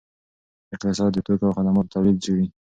اقتصاد د توکو او خدماتو تولید څیړي.